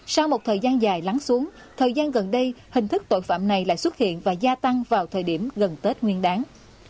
sau một thời gian dài lắng xuống thời gian gần đây hình thức tội phạm này lại xuất hiện và gia tăng vào thời điểm gần tết nguyên đáng